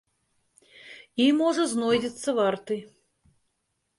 І, можа, знойдзецца варты!